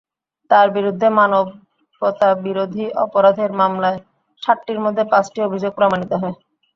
তাঁর বিরুদ্ধে মানবতাবিরোধী অপরাধের মামলায় সাতটির মধ্যে পাঁচটি অভিযোগ প্রমাণিত হয়।